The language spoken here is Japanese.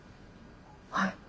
はい。